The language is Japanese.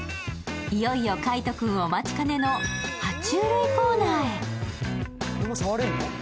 いよいよ海音君、お待ちかねのは虫類コーナーへ。